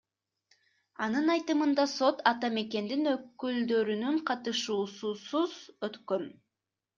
Анын айтымында, сот Ата Мекендин өкүлдөрүнүн катышуусусуз өткөн.